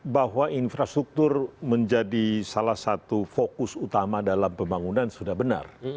bahwa infrastruktur menjadi salah satu fokus utama dalam pembangunan sudah benar